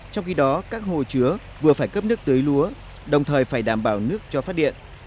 trong khi đó các hồ chứa vừa phải cấp nước tưới lúa đồng thời phải đảm bảo nước cho phát điện